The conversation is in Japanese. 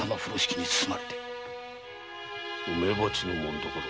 梅鉢の紋所。